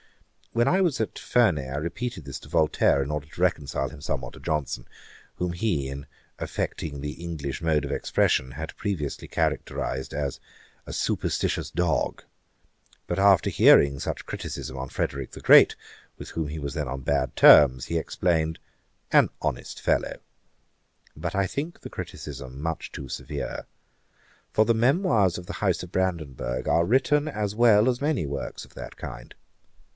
When I was at Ferney, I repeated this to Voltaire, in order to reconcile him somewhat to Johnson, whom he, in affecting the English mode of expression, had previously characterised as 'a superstitious dog;' but after hearing such a criticism on Frederick the Great, with whom he was then on bad terms, he exclaimed, 'An honest fellow!' But I think the criticism much too severe; for the Memoirs of the House of Brandenburgh are written as well as many works of that kind.